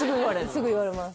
すぐ言われます